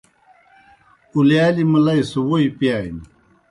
اُلِیالیْ مُلئی سہ ووئی پِیانیْ۔